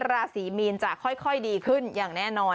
ราศีมีนจะค่อยดีขึ้นอย่างแน่นอน